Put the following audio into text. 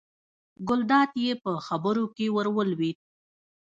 ګلداد یې په خبرو کې ور ولوېد.